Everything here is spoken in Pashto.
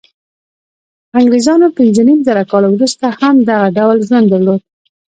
انګرېزانو پنځه نیم زره کاله وروسته هم دغه ډول ژوند درلود.